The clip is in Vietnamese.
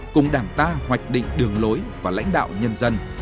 cùng đảng ta hoạch định đường lối và lãnh đạo nhân dân